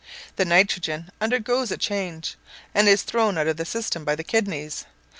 The nitrogen undergoes a change, and is thrown out of the system by the kidneys.